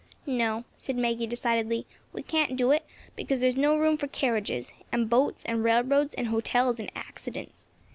"No," said Maggie decidedly, "we can't do it, because there is no room for carriages, and boats, and railroads, and hotels, and accidents.